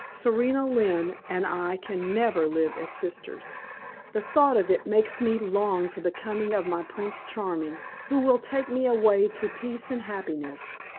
Serena Lynne and I can never live as sisters. The thought of it makes me long for the coming of my Prince Charming, who will take me away to peace and happiness.